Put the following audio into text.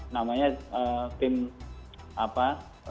namanya tim apa